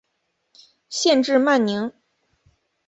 县治曼宁。